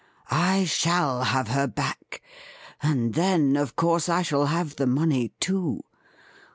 I shall have her back, and then, of course, I shall have the money too.